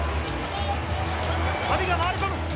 阿炎が回り込む！